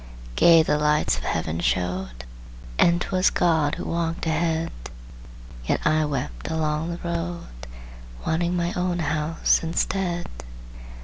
Gay the lights of Heaven showed, And 'twas God who walked ahead; Yet I wept along the road, Wanting my own house instead.